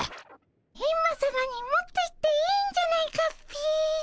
エンマさまに持っていっていいんじゃないかっピ。